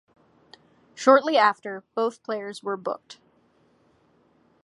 Shortly after, both players were booked.